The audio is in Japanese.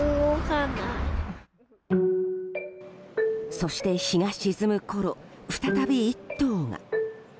そして日が沈むころ再び１頭が。